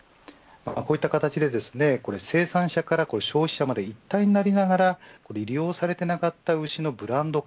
こういった形で生産者から消費者まで一体になりながら利用されていなかった牛のブランド化